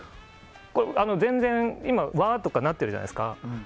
全然わーとかなってるじゃないですか。